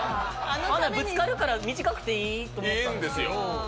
あれぶつかるから短くていいと思ったんですけど。